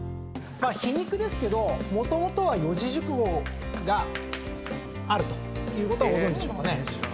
皮肉ですけどもともとは四字熟語があるということはご存じでしょうかね？